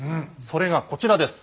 それがこちらです。